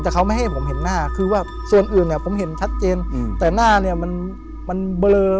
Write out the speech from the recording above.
แต่เขาไม่ให้ผมเห็นหน้าคือว่าส่วนอื่นเนี่ยผมเห็นชัดเจนแต่หน้าเนี่ยมันมันเบลอ